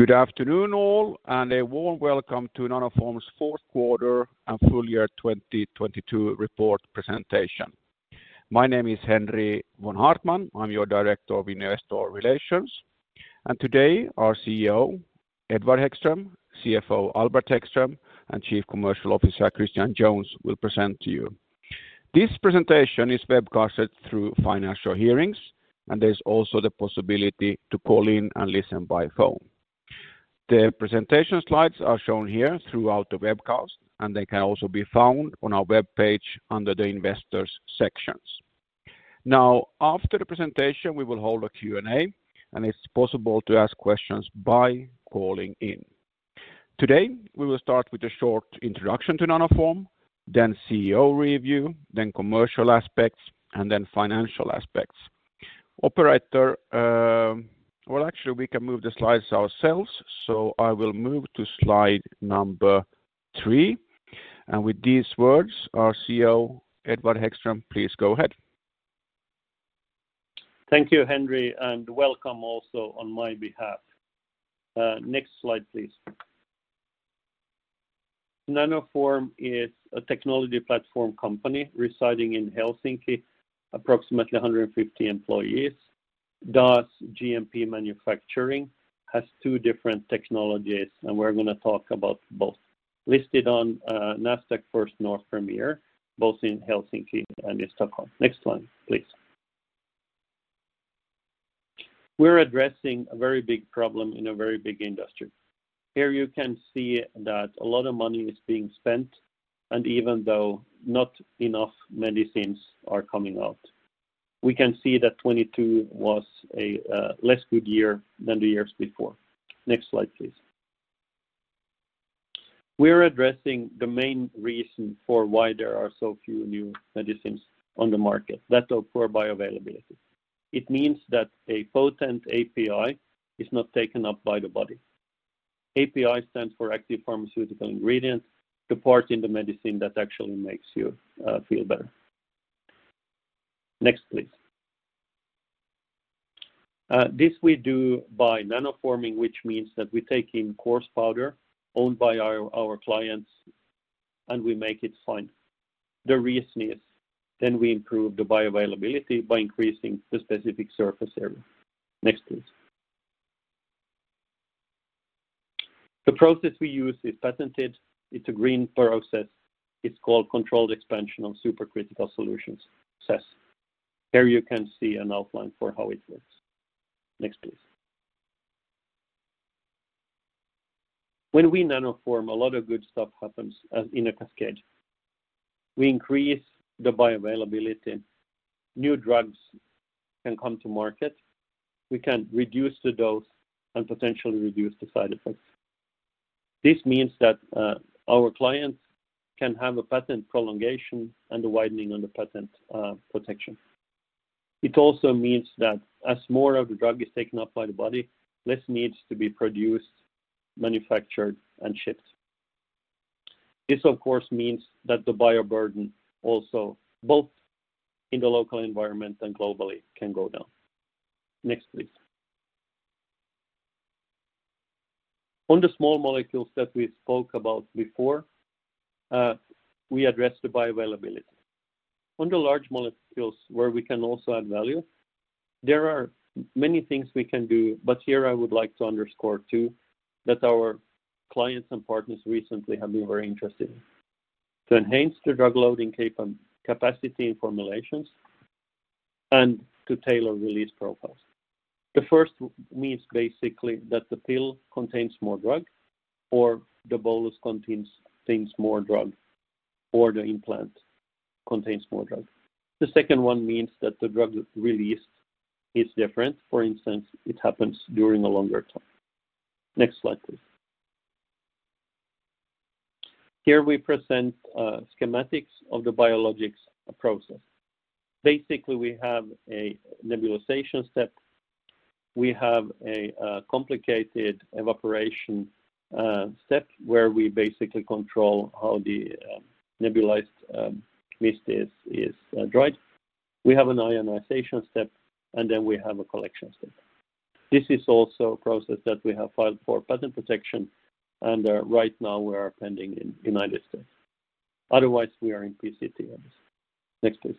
Good afternoon all, and a warm welcome to Nanoform's fourth quarter and full year 2022 report presentation. My name is Henri von Haartman. I'm your director of investor relations. Today our CEO, Edward Hæggström, CFO Albert Hæggström, and Chief Commercial Officer Christian Jones will present to you. This presentation is webcasted through Financial Hearings, and there's also the possibility to call in and listen by phone. The presentation slides are shown here throughout the webcast, and they can also be found on our webpage under the Investors sections. Now, after the presentation, we will hold a Q&A, and it's possible to ask questions by calling in. Today, we will start with a short introduction to Nanoform, then CEO review, then commercial aspects, and then financial aspects. Operator, well, actually we can move the slides ourselves, so I will move to slide number 3. With these words, our CEO, Edward Hæggström, please go ahead. Thank you, Henri. Welcome also on my behalf. Next slide, please. Nanoform is a technology platform company residing in Helsinki, approximately 150 employees. Does GMP manufacturing, has two different technologies, and we're going to talk about both. Listed on Nasdaq First North Premier, both in Helsinki and in Stockholm. Next slide, please. We're addressing a very big problem in a very big industry. Here you can see that a lot of money is being spent, and even though not enough medicines are coming out. We can see that 2022 was a less good year than the years before. Next slide, please. We're addressing the main reason for why there are so few new medicines on the market. That's poor bioavailability. It means that a potent API is not taken up by the body. API stands for active pharmaceutical ingredient, the part in the medicine that actually makes you feel better. Next, please. This we do by nanoforming, which means that we take in coarse powder owned by our clients, and we make it fine. The reason is then we improve the bioavailability by increasing the specific surface area. Next, please. The process we use is patented. It's a green process. It's called Controlled Expansion of Supercritical Solutions, CESS. Here you can see an outline for how it works. Next, please. When we nanoform, a lot of good stuff happens in a cascade. We increase the bioavailability. New drugs can come to market. We can reduce the dose and potentially reduce the side effects. This means that our clients can have a patent prolongation and a widening on the patent protection. It also means that as more of the drug is taken up by the body, less needs to be produced, manufactured, and shipped. This of course means that the buyer burden also, both in the local environment and globally, can go down. Next, please. On the small molecules that we spoke about before, we address the bioavailability. On the large molecules where we can also add value, there are many things we can do, but here I would like to underscore two that our clients and partners recently have been very interested in. To enhance the drug loading capacity in formulations, and to tailor release profiles. The first means basically that the pill contains more drug, or the bolus contains things more drug, or the implant contains more drug. The second one means that the drug released is different. For instance, it happens during a longer time. Next slide, please. Here we present schematics of the biologics process. Basically, we have a nebulization step, we have a complicated evaporation step, where we basically control how the nebulized mist is dried. We have an ionization step. Then we have a collection step. This is also a process that we have filed for patent protection. Right now we are pending in United States. Otherwise, we are in PCT. Next, please.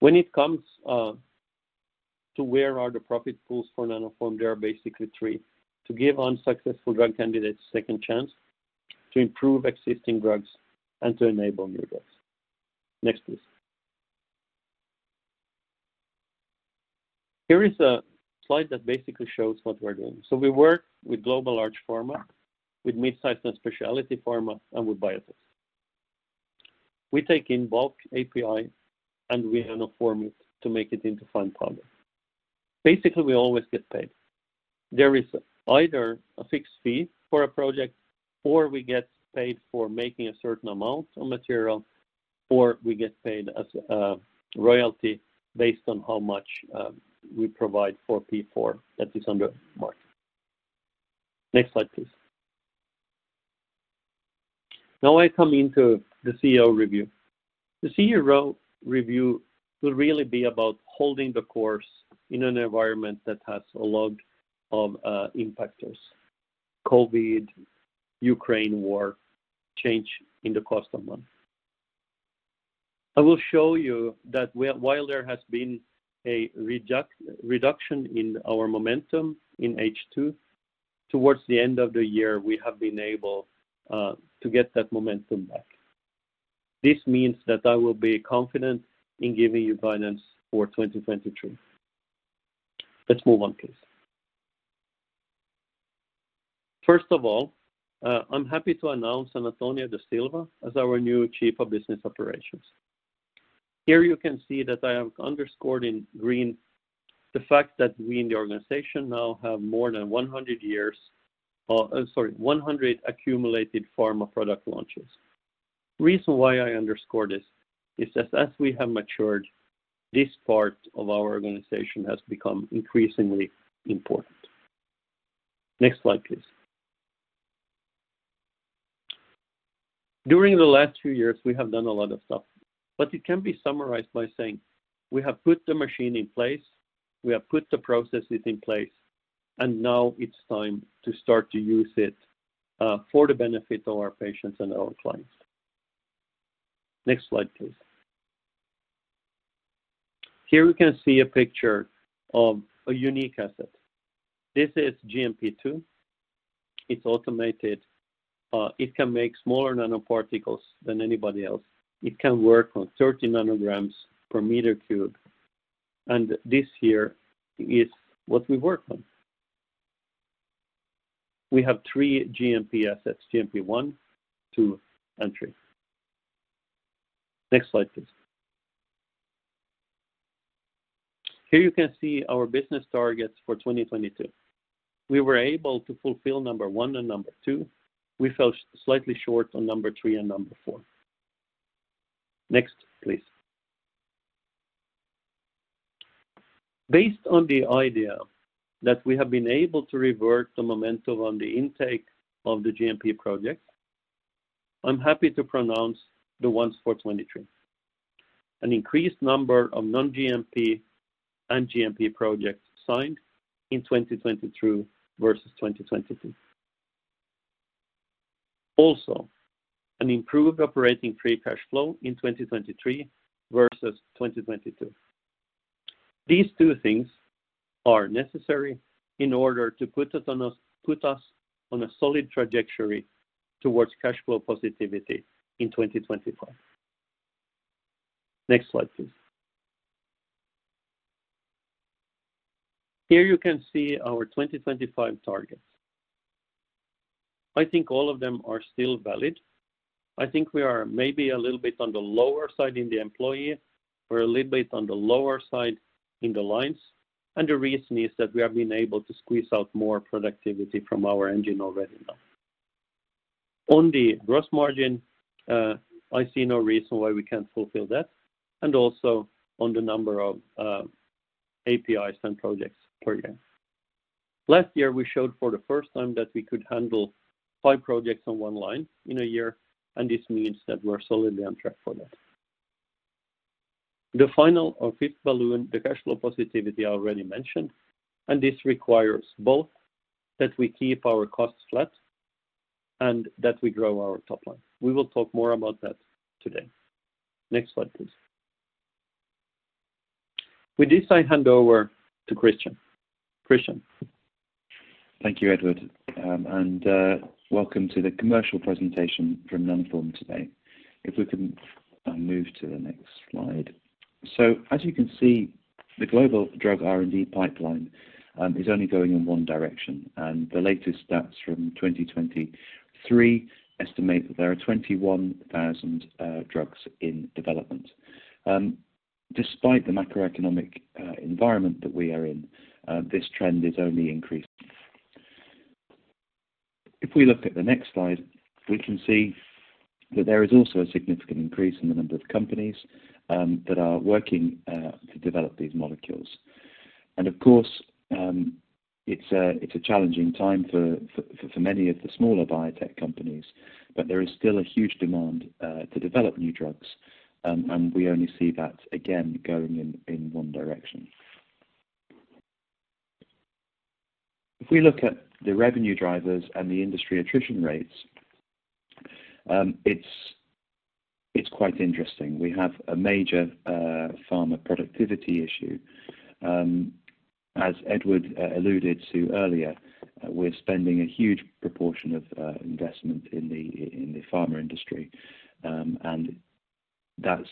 When it comes to where are the profit pools for Nanoform, there are basically three. To give unsuccessful drug candidates second chance, to improve existing drugs, and to enable new drugs. Next, please. Here is a slide that basically shows what we're doing. We work with global large pharma, with midsize and specialty pharma, and with biotechs. We take in bulk API, and we nanoform it to make it into fine powder. Basically, we always get paid. There is either a fixed fee for a project, or we get paid for making a certain amount of material, or we get paid as a royalty based on how much we provide for P4 that is under mark. Next slide, please. Now I come into the CEO review. The CEO review will really be about holding the course in an environment that has a lot of impactors. COVID, Ukraine war, change in the cost of money. I will show you that while there has been a reduction in our momentum in H2, towards the end of the year, we have been able to get that momentum back. This means that I will be confident in giving you guidance for 2023. Let's move on, please. First of all, I'm happy to announce Antonio Da Silva as our new Chief of Business Operations. Here you can see that I have underscored in green the fact that we in the organization now have more than 100 years, sorry, 100 accumulated pharma product launches. Reason why I underscore this is as we have matured, this part of our organization has become increasingly important. Next slide, please. During the last two years, we have done a lot of stuff, but it can be summarized by saying we have put the machine in place, we have put the processes in place, and now it's time to start to use it for the benefit of our patients and our clients. Next slide, please. Here we can see a picture of a unique asset. This is GMP 2. It's automated. It can make smaller nanoparticles than anybody else. It can work on 30 nanograms per meter cube. This here is what we work on. We have 3 GMP assets, GMP 1, 2, and 3. Next slide, please. Here you can see our business targets for 2022. We were able to fulfill number 1 and number 2. We fell slightly short on number 3 and number 4. Next, please. Based on the idea that we have been able to revert the momentum on the intake of the GMP project, I'm happy to pronounce the ones for 2023. An increased number of non-GMP and GMP projects signed in 2023 versus 2022. An improved operating free cash flow in 2023 versus 2022. These two things are necessary in order to put us on a solid trajectory towards cash flow positivity in 2025. Next slide, please. Here you can see our 2025 targets. I think all of them are still valid. I think we are maybe a little bit on the lower side in the employee. We're a little bit on the lower side in the lines, and the reason is that we have been able to squeeze out more productivity from our engine already now. On the gross margin, I see no reason why we can't fulfill that, and also on the number of APIs and projects per year. Last year, we showed for the first time that we could handle five projects on one line in a year, and this means that we're solidly on track for that. The final or fifth balloon, the cash flow positivity I already mentioned. This requires both that we keep our costs flat and that we grow our top line. We will talk more about that today. Next slide, please. With this, I hand over to Christian. Thank you, Edward Hæggström. Welcome to the commercial presentation from Nanoform today. If we can move to the next slide. As you can see, the global drug R&D pipeline is only going in one direction, and the latest stats from 2023 estimate that there are 21,000 drugs in development. Despite the macroeconomic environment that we are in, this trend is only increasing. If we look at the next slide, we can see that there is also a significant increase in the number of companies that are working to develop these molecules. Of course, it's a challenging time for many of the smaller biotech companies, but there is still a huge demand to develop new drugs, and we only see that again going in one direction. If we look at the revenue drivers and the industry attrition rates, it's quite interesting. We have a major pharma productivity issue. As Edward alluded to earlier, we're spending a huge proportion of investment in the pharma industry, and that's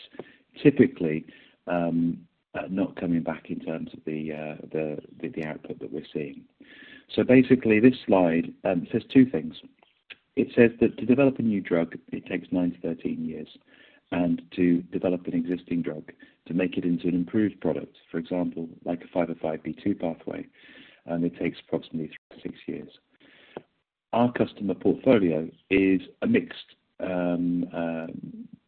typically not coming back in terms of the, the output that we're seeing. Basically this slide says two things. It says that to develop a new drug, it takes 9-13 years, and to develop an existing drug, to make it into an improved product, for example, like a 505(b)(2) pathway, it takes approximately 6 years. Our customer portfolio is a mixed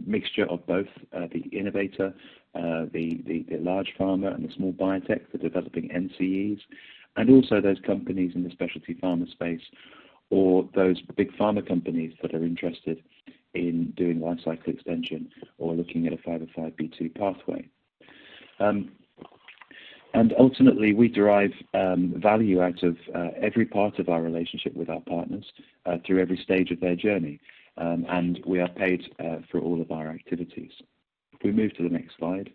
Mixture of both, the innovator, the large pharma and the small biotech, for developing NCEs, and also those companies in the specialty pharma space, or those big pharma companies that are interested in doing life cycle extension or looking at a 505(b)(2) pathway. Ultimately, we derive value out of every part of our relationship with our partners, through every stage of their journey. We are paid for all of our activities. If we move to the next slide.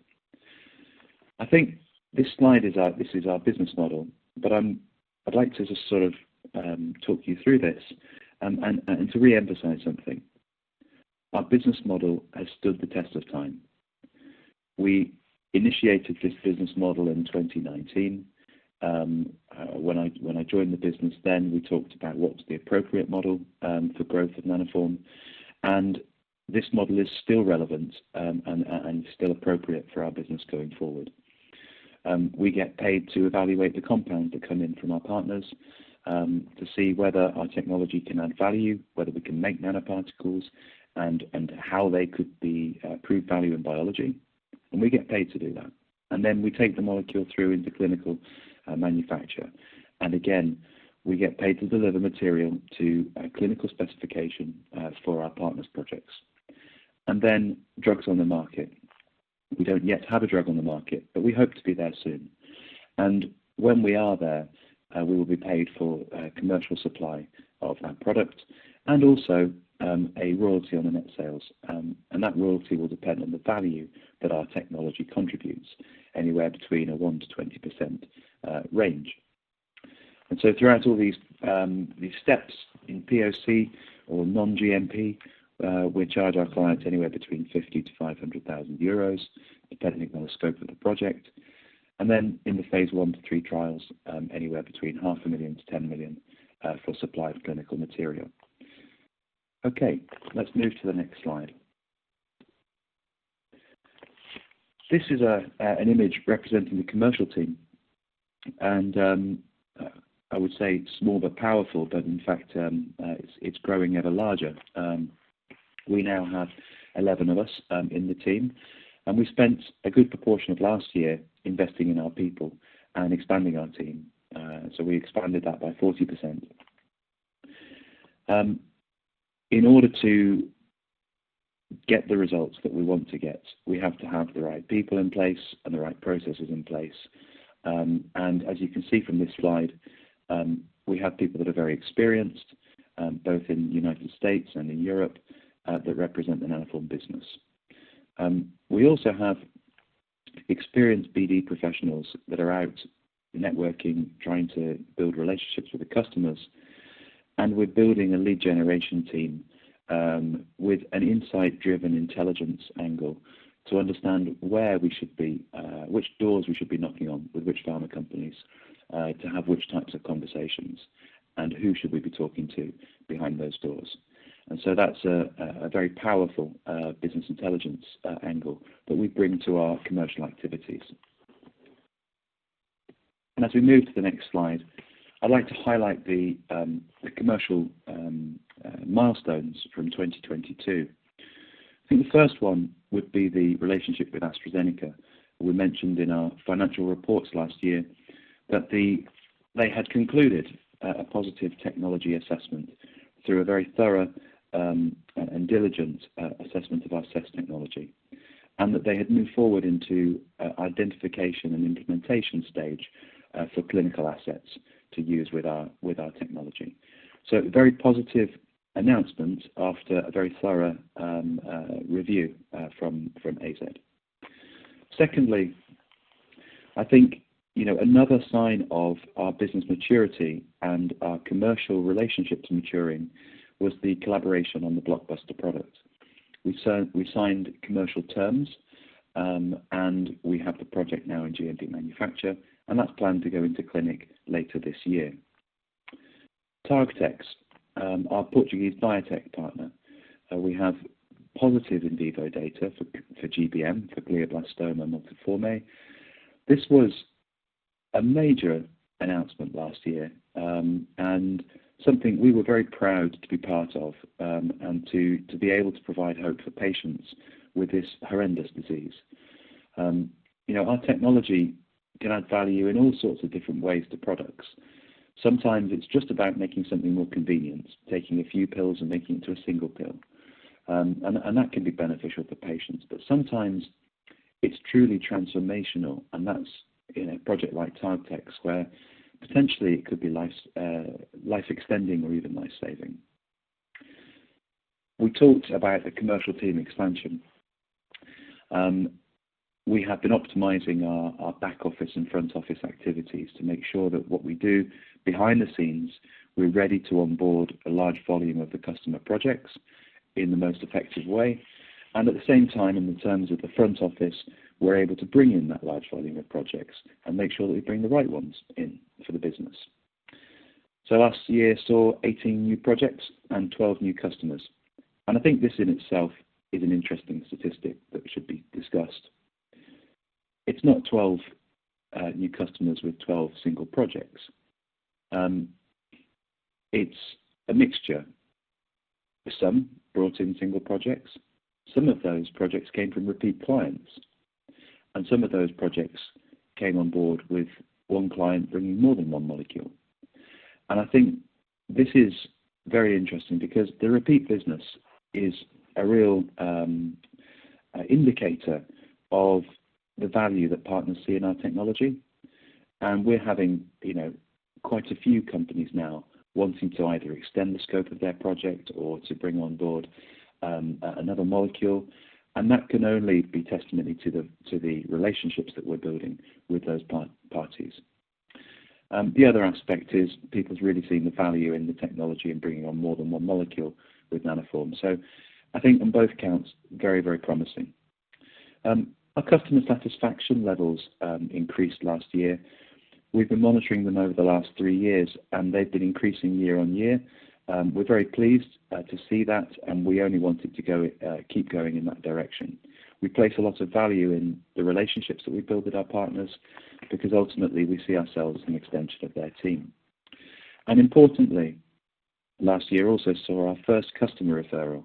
I think this slide is our, this is our business model, but I'd like to just sort of talk you through this and to re-emphasize something. Our business model has stood the test of time. We initiated this business model in 2019. When I joined the business then, we talked about what was the appropriate model for growth of Nanoform. This model is still relevant, and still appropriate for our business going forward. We get paid to evaluate the compounds that come in from our partners, to see whether our technology can add value, whether we can make nanoparticles and how they could be, prove value in biology. We get paid to do that. Then we take the molecule through into clinical manufacture. Again, we get paid to deliver material to a clinical specification for our partners' projects. Then drugs on the market. We don't yet have a drug on the market, but we hope to be there soon. When we are there, we will be paid for commercial supply of our product and also a royalty on the net sales. That royalty will depend on the value that our technology contributes, anywhere between a 1%-20% range. Throughout all these steps in POC or non-GMP, we charge our clients anywhere between 50,000-500,000 euros, depending on the scope of the project. In the phase 1-3 trials, anywhere between half a million EUR to 10 million for supply of clinical material. Let's move to the next slide. This is an image representing the commercial team. I would say small but powerful, but in fact, it's growing ever larger. We now have 11 of us in the team, and we spent a good proportion of last year investing in our people and expanding our team. We expanded that by 40%. In order to get the results that we want to get, we have to have the right people in place and the right processes in place. As you can see from this slide, we have people that are very experienced, both in the United States and in Europe, that represent the Nanoform business. We also have experienced BD professionals that are out networking, trying to build relationships with the customers. We're building a lead generation team, with an insight-driven intelligence angle to understand where we should be, which doors we should be knocking on with which pharma companies, to have which types of conversations, and who should we be talking to behind those doors. That's a very powerful business intelligence angle that we bring to our commercial activities. As we move to the next slide, I'd like to highlight the commercial milestones from 2022. I think the first one would be the relationship with AstraZeneca. We mentioned in our financial reports last year that they had concluded a positive technology assessment through a very thorough and diligent assessment of our CESS technology, and that they had moved forward into identification and implementation stage for clinical assets to use with our technology. A very positive announcement after a very thorough review from AZ. Secondly, I think, you know, another sign of our business maturity and our commercial relationships maturing was the collaboration on the blockbuster product. We signed commercial terms, and we have the project now in GMP manufacture, and that's planned to go into clinic later this year. TargTex, our Portuguese biotech partner, we have positive in vivo data for GBM, for glioblastoma multiforme. This was a major announcement last year, something we were very proud to be part of, and to be able to provide hope for patients with this horrendous disease. You know, our technology can add value in all sorts of different ways to products. Sometimes it's just about making something more convenient, taking a few pills and making it to a single pill. That can be beneficial for patients. Sometimes it's truly transformational, and that's in a project like TargTex, where potentially it could be life extending or even life saving. We talked about the commercial team expansion. We have been optimizing our back office and front office activities to make sure that what we do behind the scenes, we're ready to onboard a large volume of the customer projects in the most effective way. At the same time, in the terms of the front office, we're able to bring in that large volume of projects and make sure that we bring the right ones in for the business. Last year saw 18 new projects and 12 new customers. I think this in itself is an interesting statistic that should be discussed. It's not 12 new customers with 12 single projects. It's a mixture. Some brought in single projects, some of those projects came from repeat clients, and some of those projects came on board with one client bringing more than one molecule. I think this is very interesting because the repeat business is a real indicator of the value that partners see in our technology. We're having, you know, quite a few companies now wanting to either extend the scope of their project or to bring on board another molecule, and that can only be testimony to the relationships that we're building with those parties. The other aspect is people's really seeing the value in the technology and bringing on more than one molecule with Nanoform. I think on both counts, very, very promising. Our customer satisfaction levels increased last year. We've been monitoring them over the last 3 years, and they've been increasing year on year. We're very pleased to see that, and we only want it to go, keep going in that direction. We place a lot of value in the relationships that we build with our partners because ultimately we see ourselves as an extension of their team. Importantly, last year also saw our first customer referral,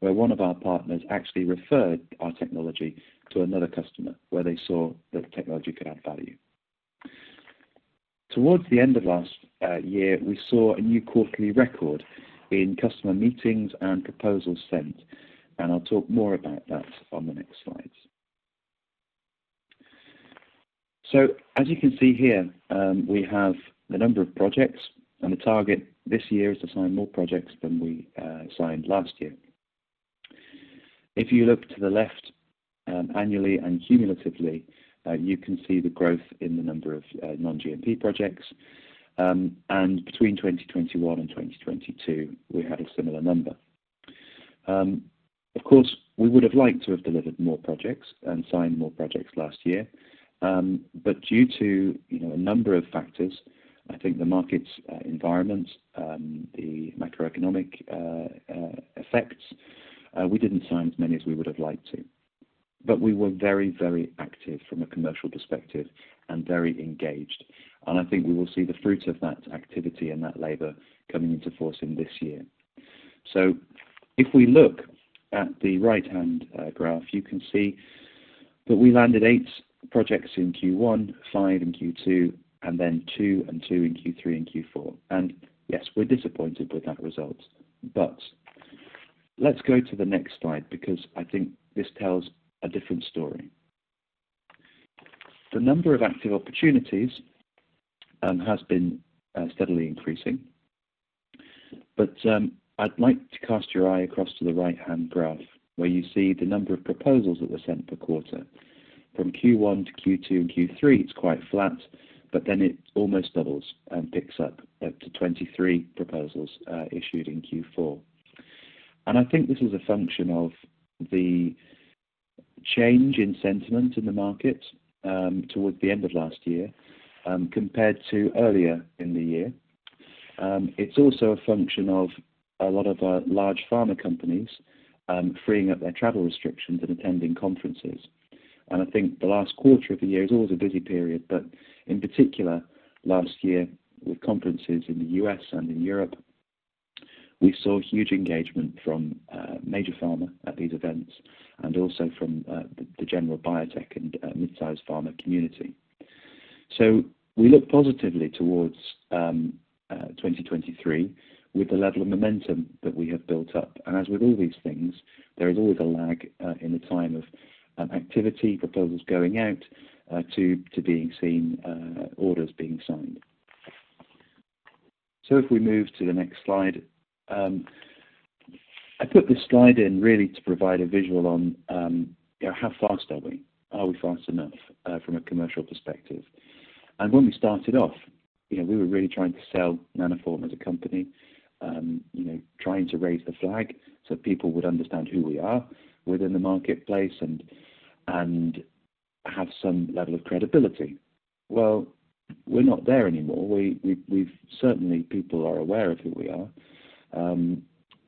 where one of our partners actually referred our technology to another customer where they saw that the technology could add value. Towards the end of last year, we saw a new quarterly record in customer meetings and proposals sent, and I'll talk more about that on the next slides. As you can see here, we have the number of projects and the target this year is to sign more projects than we signed last year. If you look to the left, annually and cumulatively, you can see the growth in the number of non-GMP projects, and between 2021 and 2022, we had a similar number. Of course, we would have liked to have delivered more projects and signed more projects last year, but due to, you know, a number of factors, I think the markets, environment, the macroeconomic effects, we didn't sign as many as we would have liked to, but we were very, very active from a commercial perspective and very engaged. I think we will see the fruits of that activity and that labor coming into force in this year. If we look at the right-hand graph, you can see that we landed 8 projects in Q1, 5 in Q2, and then 2 and 2 in Q3 and Q4. Yes, we're disappointed with that result. Let's go to the next slide because I think this tells a different story. The number of active opportunities has been steadily increasing. I'd like to cast your eye across to the right-hand graph, where you see the number of proposals that were sent per quarter. From Q1 to Q2 and Q3, it's quite flat, it almost doubles and picks up up to 23 proposals issued in Q4. I think this was a function of the change in sentiment in the market towards the end of last year compared to earlier in the year. It's also a function of a lot of large pharma companies freeing up their travel restrictions and attending conferences. I think the last quarter of the year is always a busy period, but in particular last year with conferences in the US and in Europe, we saw huge engagement from major pharma at these events and also from the general biotech and mid-sized pharma community. We look positively towards 2023 with the level of momentum that we have built up. As with all these things, there is always a lag in the time of activity, proposals going out to being seen, orders being signed. If we move to the next slide, I put this slide in really to provide a visual on, you know, how fast are we? Are we fast enough from a commercial perspective? When we started off, you know, we were really trying to sell Nanoform as a company, you know, trying to raise the flag so people would understand who we are within the marketplace and have some level of credibility. Well, we're not there anymore. Certainly people are aware of who we are.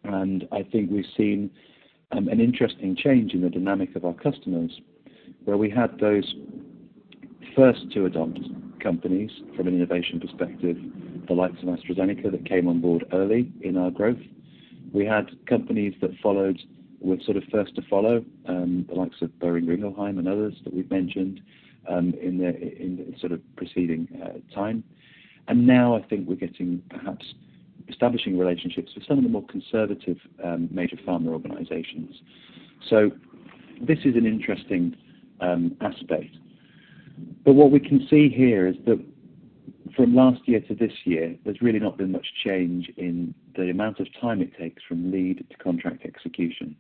I think we've seen an interesting change in the dynamic of our customers, where we had those first to adopt companies from an innovation perspective, the likes of AstraZeneca that came on board early in our growth. We had companies that followed were sort of first to follow, the likes of Boehringer Ingelheim and others that we've mentioned, in the, in the sort of preceding time. Now I think we're getting perhaps establishing relationships with some of the more conservative, major pharma organizations. This is an interesting aspect. What we can see here is that from last year to this year, there's really not been much change in the amount of time it takes from lead to contract execution.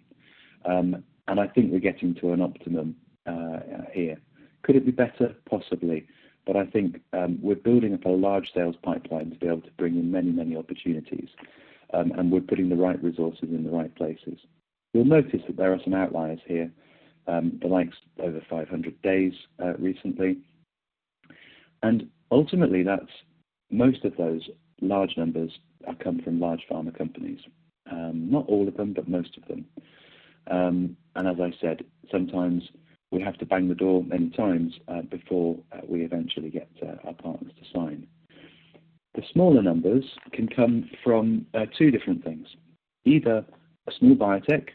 I think we're getting to an optimum here. Could it be better? Possibly. I think we're building up a large sales pipeline to be able to bring in many, many opportunities, and we're putting the right resources in the right places. You'll notice that there are some outliers here, the likes over 500 days recently. Ultimately, that's most of those large numbers come from large pharma companies. Not all of them, but most of them. As I said, sometimes we have to bang the door many times before we eventually get our partners to sign. The smaller numbers can come from two different things. Either a small biotech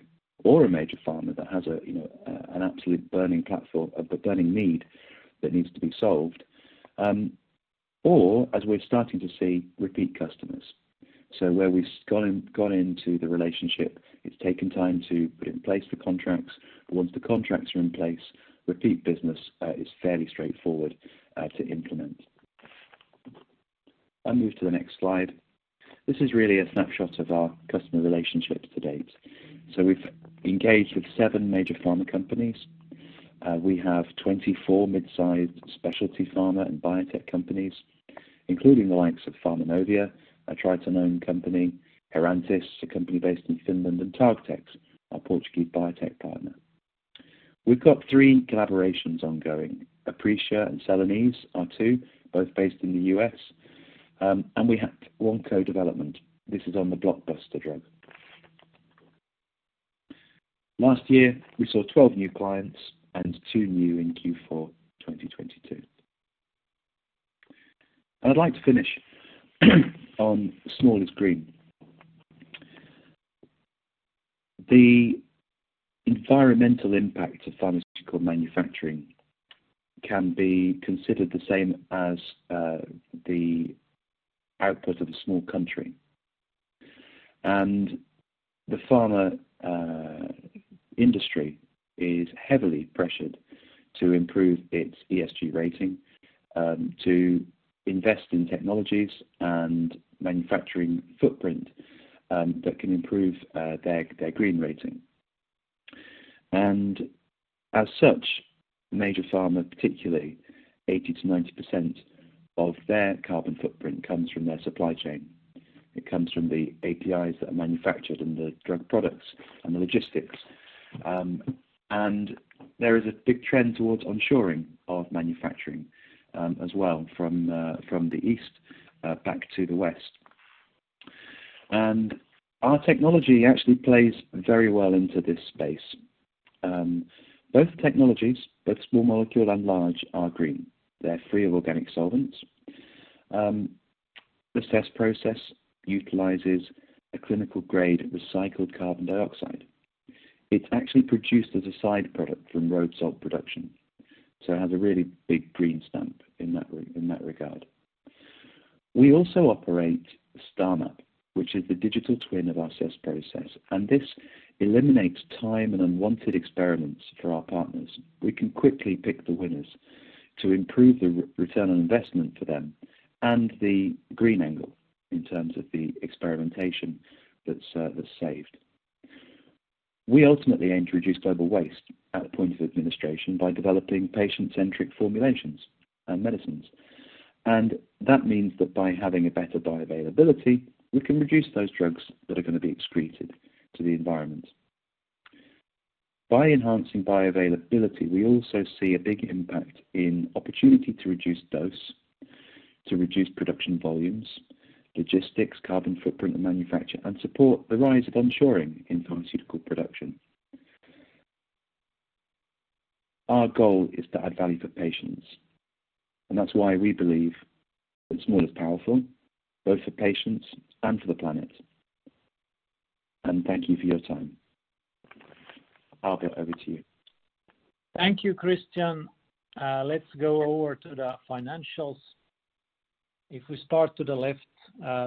or a major pharma that has a, you know, an absolute burning platform of the burning need that needs to be solved. Or as we're starting to see repeat customers. Where we've gone in, gone into the relationship, it's taken time to put in place the contracts. Once the contracts are in place, repeat business is fairly straightforward to implement. I'll move to the next slide. This is really a snapshot of our customer relationships to date. We've engaged with seven major pharma companies. We have 24 mid-sized specialty pharma and biotech companies, including the likes of Pharmanovia, a Triton-owned company; Herantis, a company based in Finland; and TargTex, our Portuguese biotech partner. We've got three collaborations ongoing. Aprecia and Celanese are two, both based in the U.S. We have 1 co-development. This is on the Blockbuster drug. Last year, we saw 12 new clients and 2 new in Q4 2022. I'd like to finish on small is green. The environmental impact of pharmaceutical manufacturing can be considered the same as the output of a small country. The pharma industry is heavily pressured to improve its ESG rating, to invest in technologies and manufacturing footprint that can improve their green rating. As such, major pharma, particularly 80%-90% of their carbon footprint comes from their supply chain. It comes from the APIs that are manufactured and the drug products and the logistics. There is a big trend towards onshoring of manufacturing as well from the East back to the West. Our technology actually plays very well into this space. Both technologies, both small molecule and large, are green. They're free of organic solvents. The CESS process utilizes a clinical-grade recycled carbon dioxide. It's actually produced as a side product from road salt production, so it has a really big green stamp in that regard. We also operate STARMAP, which is the digital twin of our CESS process, and this eliminates time and unwanted experiments for our partners. We can quickly pick the winners to improve the return on investment for them and the green angle in terms of the experimentation that's saved. We ultimately aim to reduce global waste at point of administration by developing patient-centric formulations and medicines. That means that by having a better bioavailability, we can reduce those drugs that are gonna be excreted to the environment. By enhancing bioavailability, we also see a big impact in opportunity to reduce dose, to reduce production volumes, logistics, carbon footprint and manufacture, and support the rise of onshoring in pharmaceutical production. Our goal is to add value for patients. That's why we believe that small is powerful, both for patients and for the planet. Thank you for your time. Arppe, over to you. Thank you, Christian. Let's go over to the financials. If we start to the left,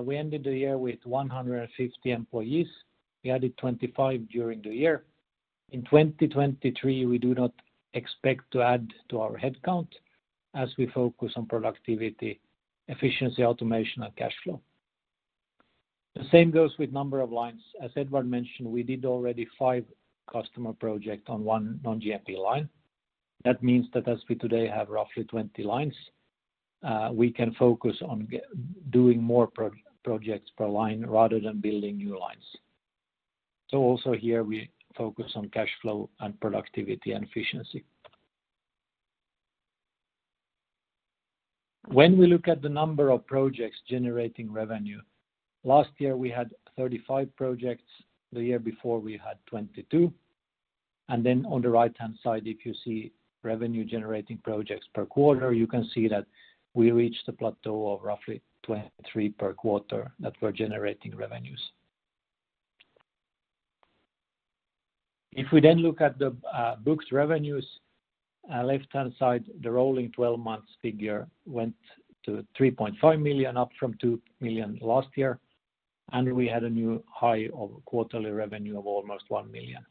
we ended the year with 150 employees. We added 25 during the year. In 2023, we do not expect to add to our headcount as we focus on productivity, efficiency, automation and cash flow. The same goes with number of lines. As Edvard Hæggström mentioned, we did already five customer project on one non-GMP line. That means that as we today have roughly 20 lines, we can focus on doing more projects per line rather than building new lines. Also here we focus on cash flow and productivity and efficiency. When we look at the number of projects generating revenue, last year we had 35 projects. The year before we had 22. On the right-hand side, if you see revenue generating projects per quarter, you can see that we reached a plateau of roughly 23 per quarter that were generating revenues. If we look at the books revenues, left-hand side, the rolling 12 months figure went to 3.5 million, up from 2 million last year, and we had a new high of quarterly revenue of almost 1 million.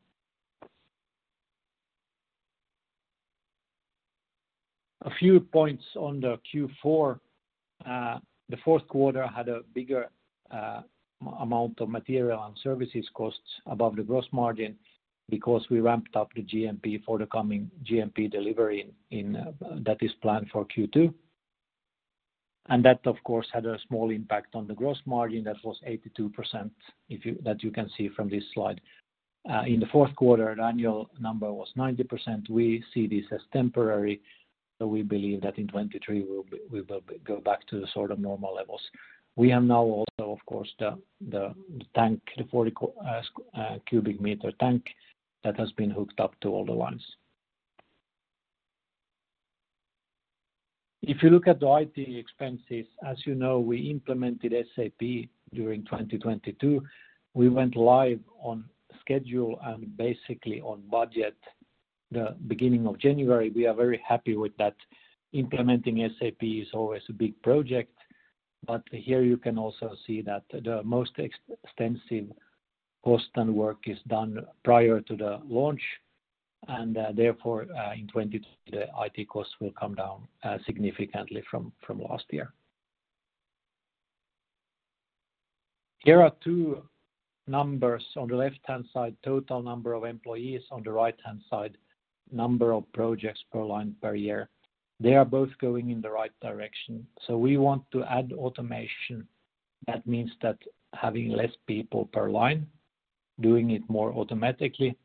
A few points on the Q4. The fourth quarter had a bigger amount of material and services costs above the gross margin because we ramped up the GMP for the coming GMP delivery in that is planned for Q2. That of course had a small impact on the gross margin that was 82% that you can see from this slide. In Q4, the annual number was 90%. We see this as temporary, but we believe that in 2023 we will go back to the sort of normal levels. We have now also, of course, the tank, the 40 cubic meter tank that has been hooked up to all the lines. If you look at the IT expenses, as you know, we implemented SAP during 2022. We went live on schedule and basically on budget the beginning of January. We are very happy with that. Implementing SAP is always a big project, but here you can also see that the most extensive cost and work is done prior to the launch, and therefore, in 2022, the IT costs will come down significantly from last year. Here are two numbers. On the left-hand side, total number of employees. On the right-hand side, number of projects per line per year. They are both going in the right direction. We want to add automation. That means that having less people per line, doing it more automatically,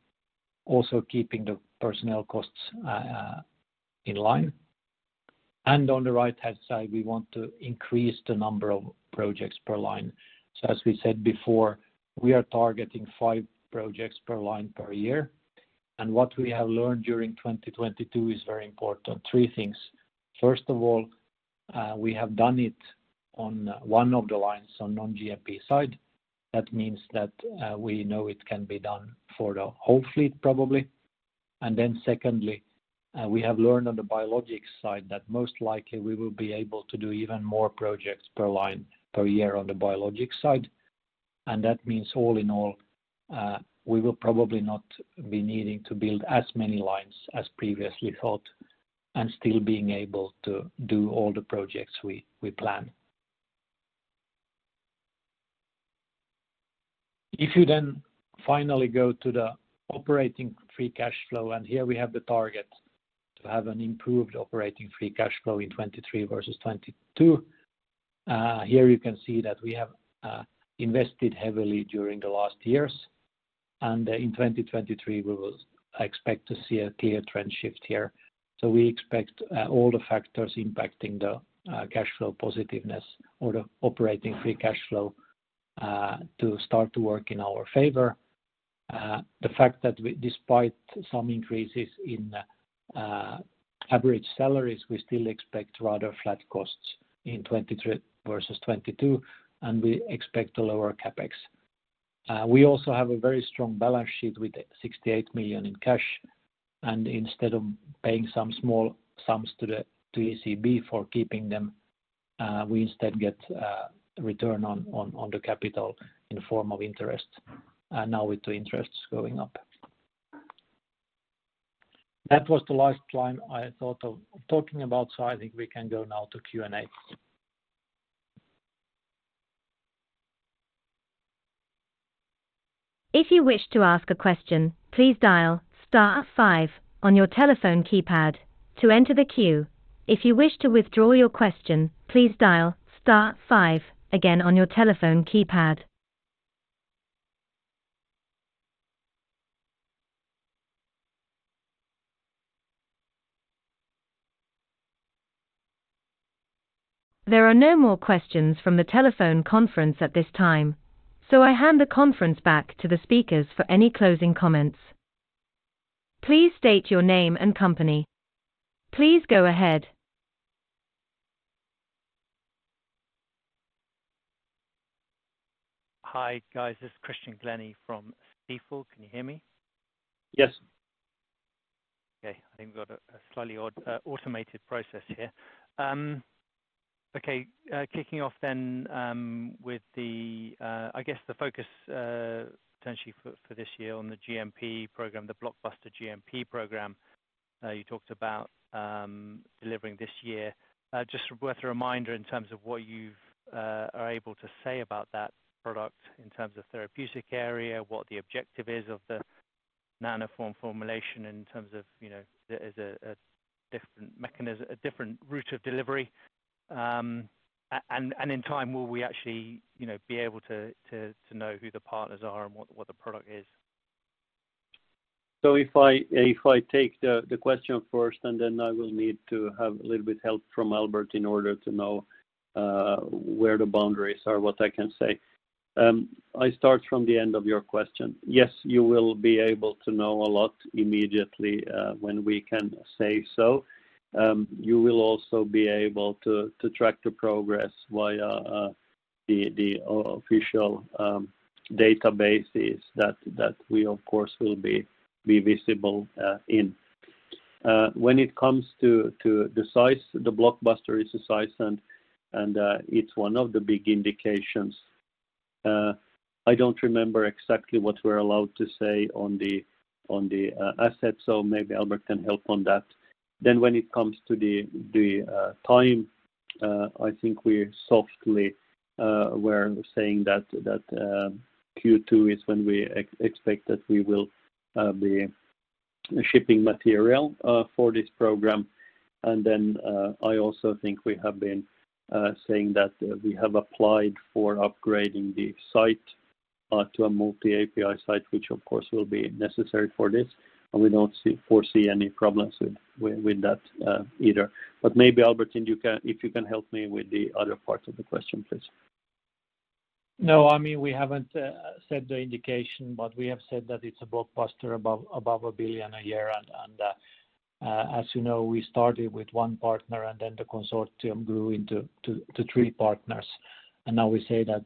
also keeping the personnel costs in line. On the right-hand side, we want to increase the number of projects per line. As we said before, we are targeting five projects per line per year. What we have learned during 2022 is very important. Three things. First of all, we have done it on one of the lines on non-GMP side. That means that, we know it can be done for the whole fleet, probably. Secondly, we have learned on the biologics side that most likely we will be able to do even more projects per line per year on the biologics side. That means all in all, we will probably not be needing to build as many lines as previously thought and still being able to do all the projects we plan. If you finally go to the operating free cash flow, here we have the target to have an improved operating free cash flow in 2023 versus 2022. Here you can see that we have invested heavily during the last years, in 2023 we will expect to see a clear trend shift here. We expect all the factors impacting the cash flow positiveness or the operating free cash flow to start to work in our favor. The fact that we despite some increases in average salaries, we still expect rather flat costs in 2023 versus 2022, and we expect a lower CapEx. We also have a very strong balance sheet with 68 million in cash, and instead of paying some small sums to ECB for keeping them, we instead get return on the capital in the form of interest, now with the interests going up. That was the last slide I thought of talking about, so I think we can go now to Q&A. If you wish to ask a question, please dial star five on your telephone keypad to enter the queue. If you wish to withdraw your question, please dial star five again on your telephone keypad. There are no more questions from the telephone conference at this time, so I hand the conference back to the speakers for any closing comments. Please state your name and company. Please go ahead. Hi guys, this is Christian Golsby from Stifel. Can you hear me? Yes. Okay. I think we've got a slightly odd automated process here. Okay. Kicking off then with the, I guess the focus, potentially for this year on the GMP program, the blockbuster GMP program, you talked about delivering this year. Just worth a reminder in terms of what you've are able to say about that product in terms of therapeutic area, what the objective is of the Nanoform formulation in terms of, you know, as a different mechanism, a different route of delivery, and in time will we actually, you know, be able to know who the partners are and what the product is? If I take the question first, and then I will need to have a little bit help from Albert in order to know where the boundaries are, what I can say. I start from the end of your question. Yes, you will be able to know a lot immediately when we can say so. You will also be able to track the progress via the official databases that we of course will be visible in. When it comes to the size, the blockbuster is a size and it's one of the big indications. I don't remember exactly what we're allowed to say on the asset, so maybe Albert can help on that. When it comes to the time, I think we softly were saying that, Q2 is when we expect that we will be. The shipping material for this program, and then, I also think we have been saying that we have applied for upgrading the site to a multi-API site, which of course will be necessary for this. We don't foresee any problems with that either. Maybe Albertin, if you can help me with the other parts of the question, please. I mean, we haven't set the indication, but we have said that it's a blockbuster above 1 billion a year. As you know, we started with 1 partner, then the consortium grew into 3 partners. Now we say that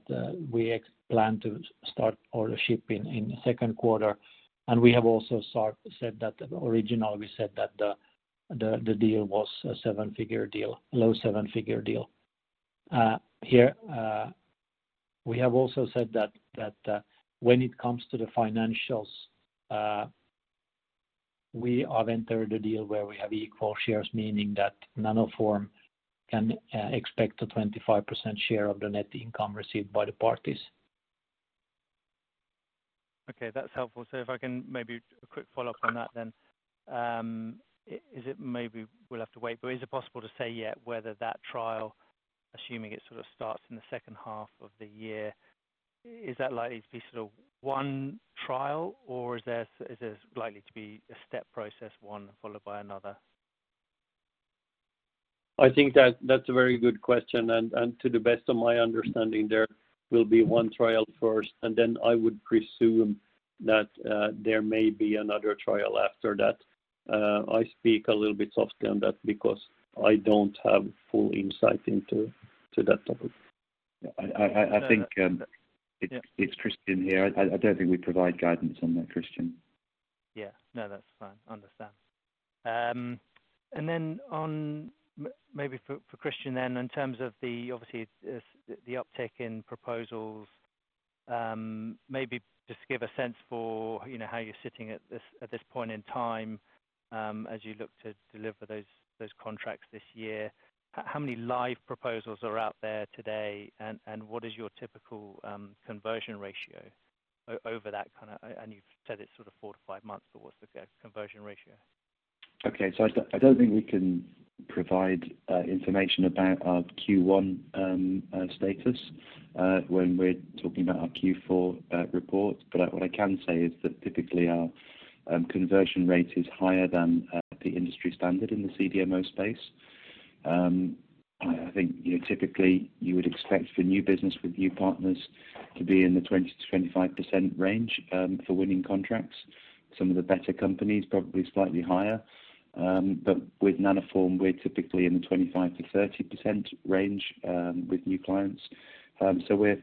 we plan to start order shipping in the second quarter. We have also said that originally we said that the deal was a seven-figure deal, low seven-figure deal. Here, we have also said that when it comes to the financials, we have entered a deal where we have equal shares, meaning that Nanoform can expect a 25% share of the net income received by the parties. Okay, that's helpful. If I can maybe a quick follow-up on that then. Is it maybe we'll have to wait, but is it possible to say yet whether that trial, assuming it sort of starts in the second half of the year, is that likely to be sort of one trial, or is this likely to be a step process, one followed by another? I think that that's a very good question. To the best of my understanding, there will be one trial first, and then I would presume that there may be another trial after that. I speak a little bit softly on that because I don't have full insight into that topic. Yeah. I think. Yeah. It's Christian here. I don't think we provide guidance on that, Christian. Yeah. No, that's fine. Understand. Then on maybe for Christian then, in terms of the obviously it's the uptick in proposals, maybe just to give a sense for, you know, how you're sitting at this, at this point in time, as you look to deliver those contracts this year. How many live proposals are out there today and what is your typical conversion ratio over that? You've said it's sort of 4-5 months, but what's the conversion ratio? I don't think we can provide information about our Q one status when we're talking about our Q four report. What I can say is that typically our conversion rate is higher than the industry standard in the CDMO space. I think, you know, typically you would expect for new business with new partners to be in the 20%-25% range for winning contracts. Some of the better companies, probably slightly higher. With Nanoform, we're typically in the 25%-30% range with new clients. We're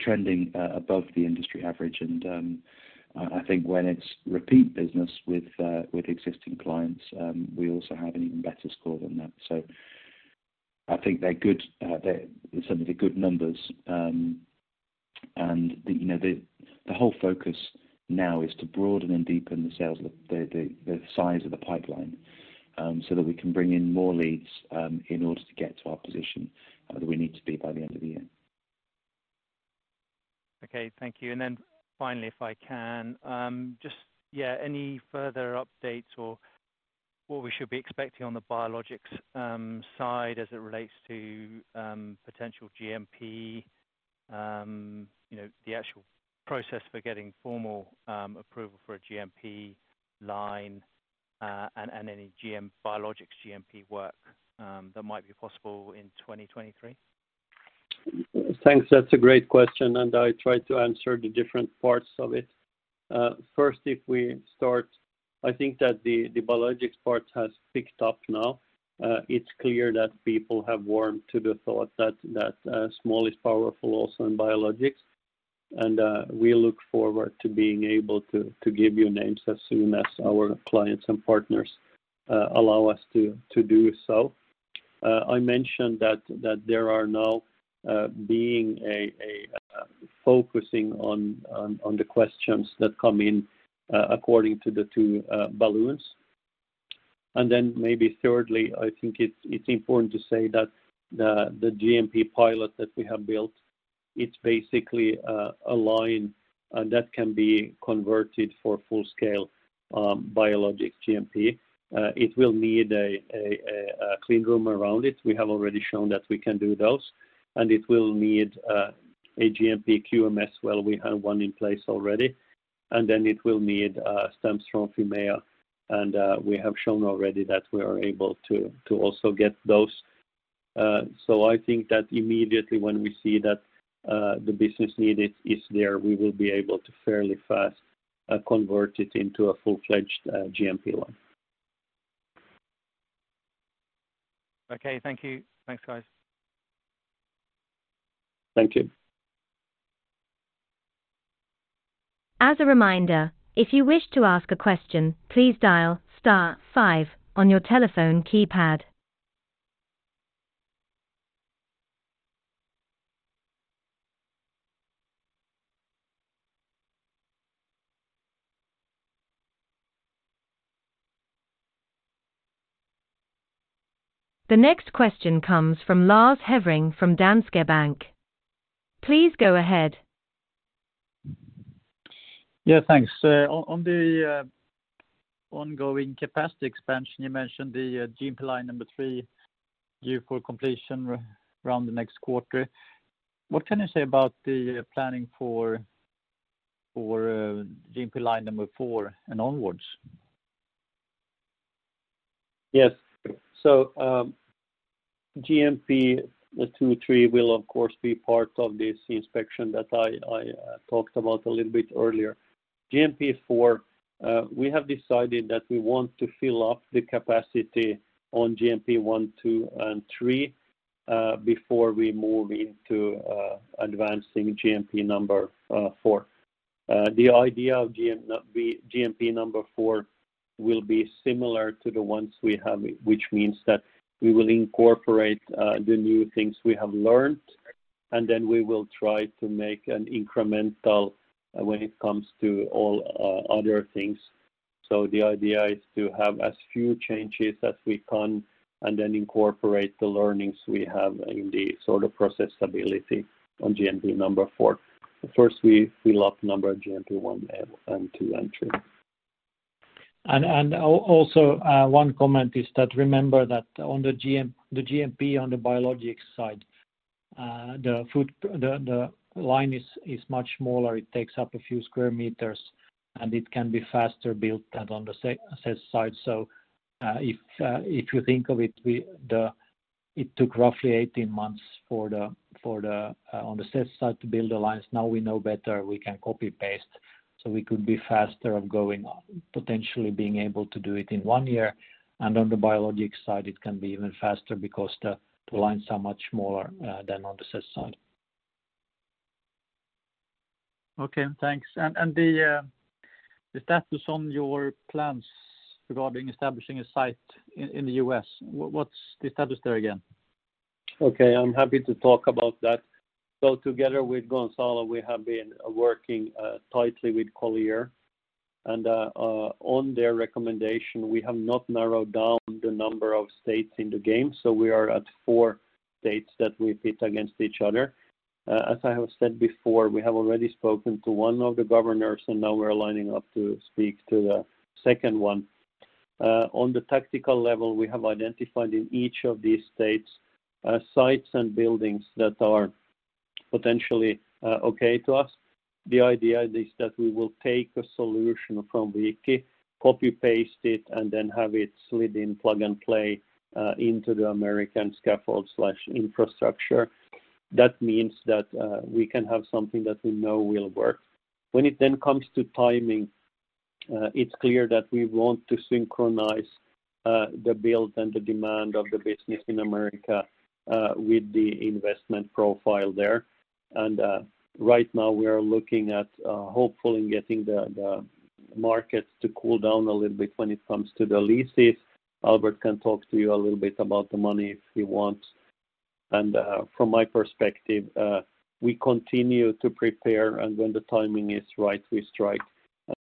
trending above the industry average. I think when it's repeat business with existing clients, we also have an even better score than that. I think they're good. They're some of the good numbers. You know, the whole focus now is to broaden and deepen the sales, the size of the pipeline, so that we can bring in more leads, in order to get to our position, that we need to be by the end of the year. Okay. Thank you. Finally, if I can, just, yeah, any further updates or what we should be expecting on the biologics side as it relates to potential GMP, you know, the actual process for getting formal approval for a GMP line, and any biologics GMP work that might be possible in 2023? Thanks. That's a great question, and I'll try to answer the different parts of it. First, if we start, I think that the biologics part has picked up now. It's clear that people have warmed to the thought that small is powerful also in biologics. We look forward to being able to give you names as soon as our clients and partners allow us to do so. I mentioned that there are now being a focusing on the questions that come in according to the two balloons. Then maybe thirdly, I think it's important to say that the GMP pilot that we have built, it's basically a line that can be converted for full-scale biologic GMP. It will need a clean room around it. We have already shown that we can do those. It will need a GMP QMS. Well, we have one in place already. It will need stamps from EMA. We have shown already that we are able to also get those. I think that immediately when we see that the business need is there, we will be able to fairly fast convert it into a full-fledged GMP line. Okay. Thank you. Thanks, guys. Thank you. As a reminder, if you wish to ask a question, please dial star five on your telephone keypad. The next question comes from Lars Hevreng from Danske Bank. Please go ahead. Yeah, thanks. on the ongoing capacity expansion, you mentioned the GMP line 3 due for completion around the next quarter. What can you say about the planning for GMP line 4 and onwards? Yes. GMP 2, 3 will of course be part of this inspection that I talked about a little bit earlier. GMP 4, we have decided that we want to fill up the capacity on GMP 1, 2, and 3, before we move into advancing GMP number 4. The idea of GMP number 4 will be similar to the ones we have, which means that we will incorporate the new things we have learned, and then we will try to make an incremental when it comes to all other things. The idea is to have as few changes as we can and then incorporate the learnings we have in the sort of process stability on GMP number 4. First, we fill up number GMP 1 and 2 and 3. One comment is that remember that on the GMP on the biologics side, the line is much smaller. It takes up a few square meters, and it can be faster built than on the CESS side. If you think of it took roughly 18 months for the on the CESS side to build the lines. Now we know better, we can copy-paste, so we could be faster of going, potentially being able to do it in 1 year. On the biologic side, it can be even faster because the lines are much smaller than on the CESS side. Okay, thanks. The status on your plans regarding establishing a site in the U.S., what's the status there again? I'm happy to talk about that. Together with Gonzalo, we have been working tightly with Colliers. On their recommendation, we have not narrowed down the number of states in the game, so we are at four states that we pit against each other. As I have said before, we have already spoken to one of the governors, and now we're lining up to speak to the second one. On the tactical level, we have identified in each of these states, sites and buildings that are potentially okay to us. The idea is that we will take a solution from Viikki, copy-paste it, and then have it slid in plug-and-play into the American scaffold/infrastructure. That means that we can have something that we know will work. When it then comes to timing, it's clear that we want to synchronize the build and the demand of the business in America with the investment profile there. Right now we are looking at hopefully getting the markets to cool down a little bit when it comes to the leases. Albert can talk to you a little bit about the money if he wants. From my perspective, we continue to prepare, and when the timing is right, we strike.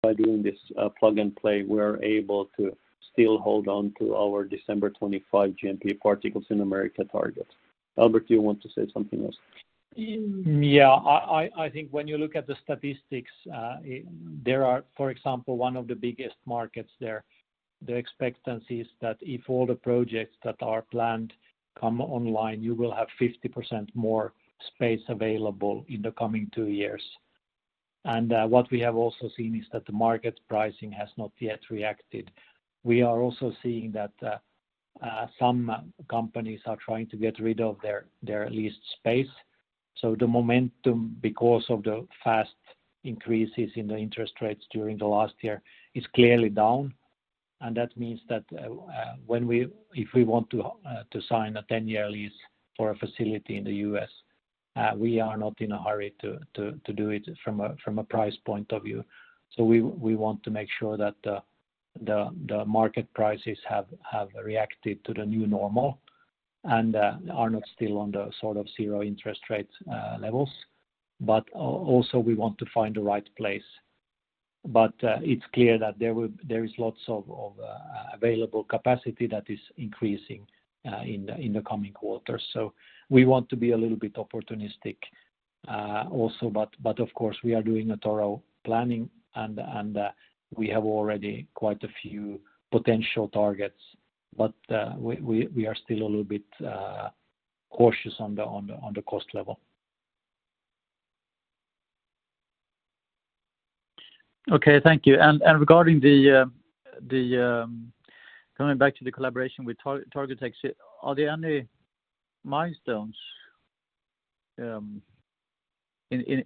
By doing this, plug-and-play, we're able to still hold on to our December 2025 GMP particles in America target. Albert, do you want to say something else? Yeah. I think when you look at the statistics, for example, one of the biggest markets there, the expectancy is that if all the projects that are planned come online, you will have 50% more space available in the coming 2 years. What we have also seen is that the market pricing has not yet reacted. We are also seeing that some companies are trying to get rid of their leased space. The momentum, because of the fast increases in the interest rates during the last year, is clearly down. That means that if we want to sign a 10-year lease for a facility in the U.S., we are not in a hurry to do it from a price point of view. We want to make sure that the market prices have reacted to the new normal and are not still on the sort of zero interest rates levels. Also, we want to find the right place. It's clear that there is lots of available capacity that is increasing in the coming quarters. We want to be a little bit opportunistic also, but of course, we are doing a thorough planning and we have already quite a few potential targets. We are still a little bit cautious on the cost level. Okay, thank you. Regarding the coming back to the collaboration with TargTex, are there any milestones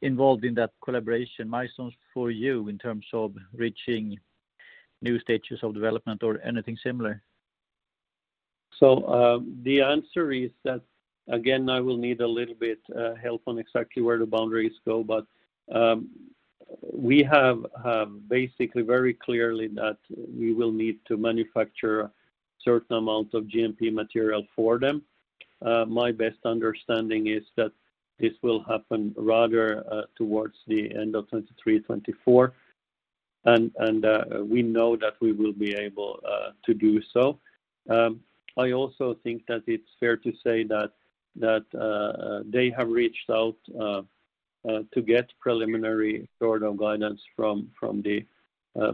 involved in that collaboration, milestones for you in terms of reaching new stages of development or anything similar? The answer is that, again, I will need a little bit help on exactly where the boundaries go, but we have basically very clearly that we will need to manufacture certain amount of GMP material for them. My best understanding is that this will happen rather towards the end of 2023, 2024. We know that we will be able to do so. I also think that it's fair to say that they have reached out to get preliminary sort of guidance from the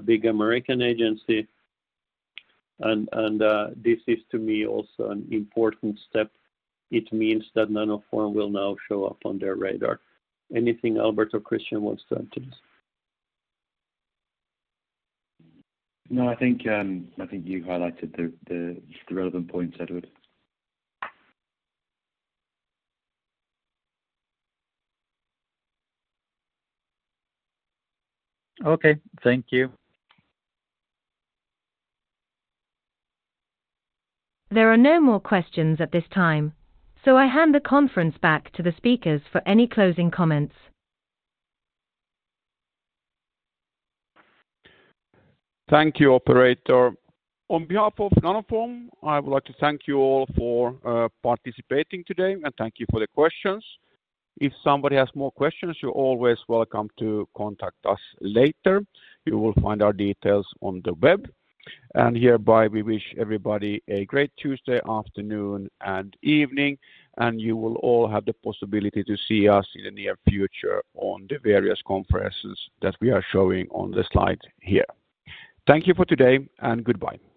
big American agency. This is to me also an important step. It means that Nanoform will now show up on their radar. Anything Albert or Christian wants to add to this? No, I think you highlighted the relevant points, Edward. Okay. Thank you. There are no more questions at this time. I hand the conference back to the speakers for any closing comments. Thank you, operator. On behalf of Nanoform, I would like to thank you all for participating today, and thank you for the questions. If somebody has more questions, you're always welcome to contact us later. You will find our details on the web. Hereby, we wish everybody a great Tuesday afternoon and evening, and you will all have the possibility to see us in the near future on the various conferences that we are showing on the slide here. Thank you for today, and goodbye.